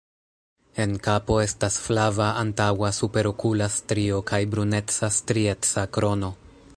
En kapo estas flava antaŭa superokula strio kaj bruneca strieca krono.